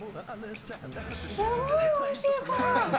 すごいおいしい。